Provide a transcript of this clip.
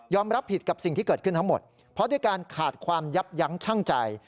รับผิดกับสิ่งที่เกิดขึ้นทั้งหมดเพราะด้วยการขาดความยับยั้งชั่งใจ